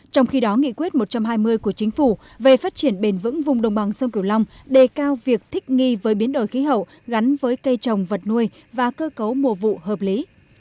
trong khi đó nghị quyết một trăm hai mươi của chính phủ về phát triển bền vững vùng đồng bằng sông kiều long đề cao việc thích nghi với biến đổi khí hậu gắn với cây trồng vật nuôi và cơ cấu mùa vụ hợp lý